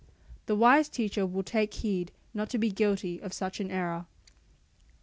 The wise teacher will take heed not to be guilty of such an error.